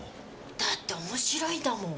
だって面白いんだもん。